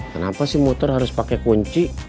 kenapa sih motor harus pakai kunci